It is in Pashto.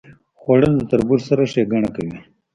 خوړل د تربور سره ښېګڼه کوي